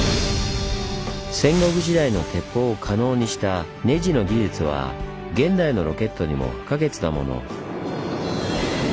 戦国時代の鉄砲を可能にしたネジの技術は現代のロケットにも不可欠なもの。